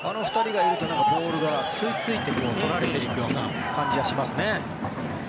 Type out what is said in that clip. あの２人がいるとボールが吸い付いてとられていくような感じがしますね。